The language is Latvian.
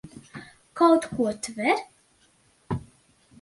Kaut ko tver?